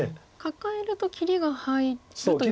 カカえると切りが入ると。